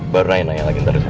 baru nanya nanya lagi ntar ya